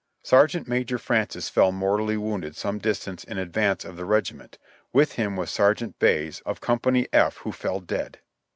"Sergeant Major Francis fell mortally wounded some distance in advance of the regiment ; with him was Sergeant Bayse, of Com pany F, who fell dead.